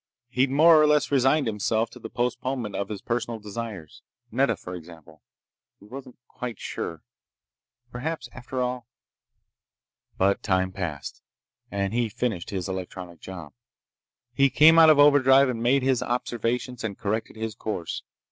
He'd more or less resigned himself to the postponement of his personal desires. Nedda, for example. He wasn't quite sure— Perhaps, after all— But time passed, and he finished his electronic job. He came out of overdrive and made his observations and corrected his course.